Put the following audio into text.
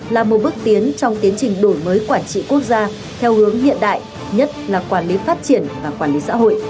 là một bước tiến trong tiến trình đổi mới quản trị quốc gia theo hướng hiện đại nhất là quản lý phát triển và quản lý xã hội